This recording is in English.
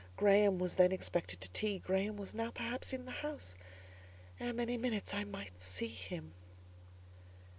Graham was then expected to tea: Graham was now, perhaps, in the house; ere many minutes I might see him.